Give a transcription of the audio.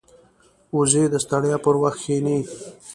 وزې د ستړیا پر وخت کښیني